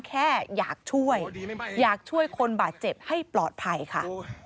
แค่อยากช่วยอยากช่วยคนบาดเจ็บให้ปลอดภัยค่ะ